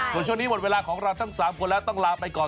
ส่วนช่วงนี้หมดเวลาของเราทั้ง๓คนแล้วต้องลาไปก่อน